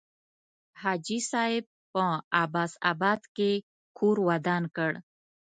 حاجي صاحب په عباس آباد کې کور ودان کړ.